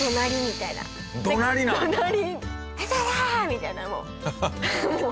みたいなもう。